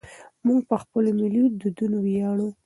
موږ په خپلو ملي دودونو ویاړو.